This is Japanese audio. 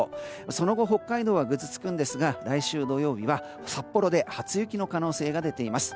その後北海道はぐずつくんですが来週土曜日は札幌で初雪の可能性が出ています。